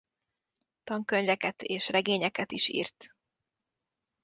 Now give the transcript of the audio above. Tankönyveket és regényeket is írt.